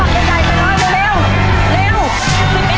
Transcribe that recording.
เร็วทำให้รอหน่อย